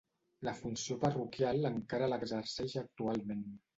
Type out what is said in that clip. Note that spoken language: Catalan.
La funció parroquial encara l'exerceix actualment.